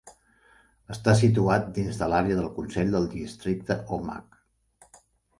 Està situat dins de l"àrea del consell del districte Omagh.